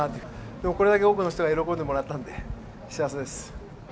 でもこれだけ多くの人が喜んでもらったので幸せです。